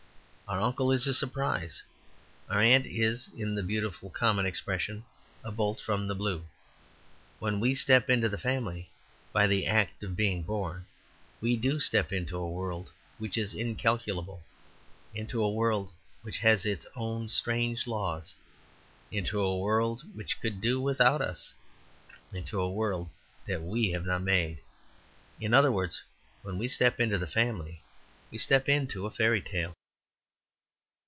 Our uncle is a surprise. Our aunt is, in the beautiful common expression, a bolt from the blue. When we step into the family, by the act of being born, we do step into a world which is incalculable, into a world which has its own strange laws, into a world which could do without us, into a world that we have not made. In other words, when we step into the family we step into a fairy tale.